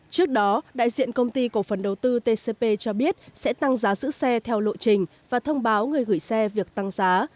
trước đó đại diện công ty cổ phần đầu tư tcp cho biết sẽ tăng giá giữ xe theo lộ trình và thông báo người gửi xe việc tăng giá